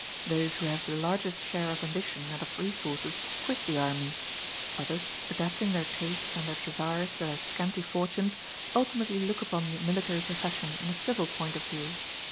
Those who have the largest share of ambition and of resources quit the army; others, adapting their tastes and their desires to their scanty fortunes, ultimately look upon the military profession in a civil point of view.